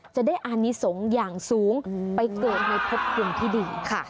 จะได้อานิสงฆ์อย่างสูงไปเกิดในพบภูมิที่ดีค่ะ